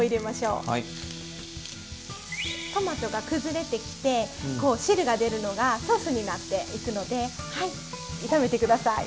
トマトが崩れてきてこう汁が出るのがソースになっていくので炒めて下さい。